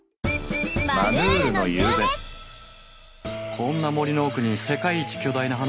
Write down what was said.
こんな森の奥に世界一巨大な花があるって？